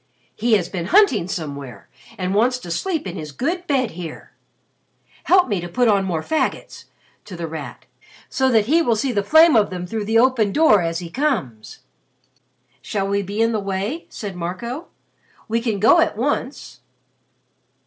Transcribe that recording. He has been hunting somewhere and wants to sleep in his good bed here. Help me to put on more faggots," to The Rat, "so that he will see the flame of them through the open door as he comes." "Shall we be in the way?" said Marco. "We can go at once."